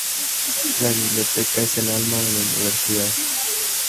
La biblioteca es el alma de la universidad.